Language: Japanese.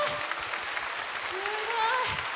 すごい！